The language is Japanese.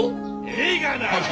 ええがな！